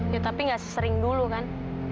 ya tapi gak sesering dulu kan